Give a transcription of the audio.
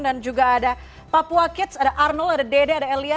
dan juga ada papua kids ada arnold ada dede ada elia